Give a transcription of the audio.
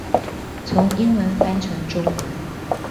從英文翻成中文